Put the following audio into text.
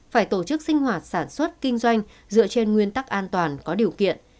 phải tổ chức sinh hoạt sản xuất kinh doanh dựa trên nguyên tắc an toàn có điều kiện